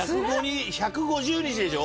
１５０日でしょ。